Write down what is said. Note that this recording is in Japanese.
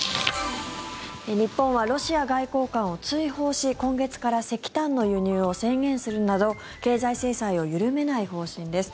日本はロシア外交官を追放し今週から石炭の輸入を制限するなど経済制裁を緩めない方針です。